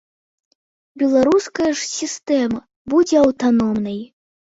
Беларуская ж сістэма будзе аўтаномнай.